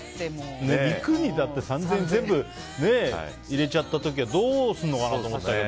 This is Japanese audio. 肉に３０００円全部入れちゃった時はどうするのかなと思ったけど。